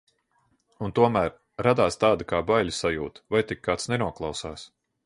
Un tomēr, radās tāda kā baiļu sajūta, vai tikai kāds nenoklausās.